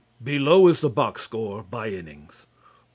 Below is the box score by innings: 1.